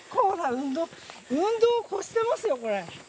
運動超してますよこれ。